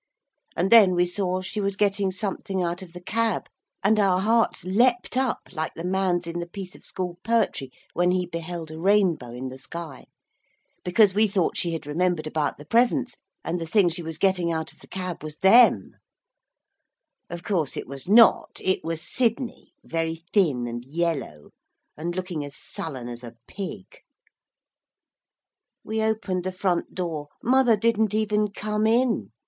And then we saw she was getting something out of the cab, and our hearts leapt up like the man's in the piece of school poetry when he beheld a rainbow in the sky because we thought she had remembered about the presents, and the thing she was getting out of the cab was them. Of course it was not it was Sidney, very thin and yellow, and looking as sullen as a pig. We opened the front door. Mother didn't even come in.